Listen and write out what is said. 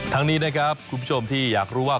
ทั้งนี้นะครับคุณผู้ชมที่อยากรู้ว่า